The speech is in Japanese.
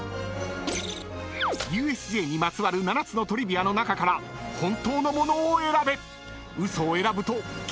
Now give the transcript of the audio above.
［ＵＳＪにまつわる７つのトリビアの中から本当のものを選べ］